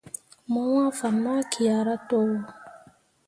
Mo wãã fan ma kiahra towo.